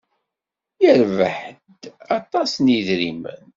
Yerbeḥ-d aṭas n yidrimen.